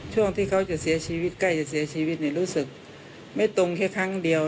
ช่วงที่เขาจะเสียชีวิตใกล้จะเสียชีวิตรู้สึกไม่ตรงแค่ครั้งเดียว